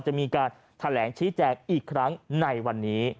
จะมีการแถลงชี้แจงอีกครั้งในวันนี้